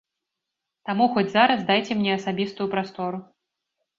Таму хоць зараз дайце мне асабістую прастору.